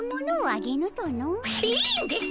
いいんです！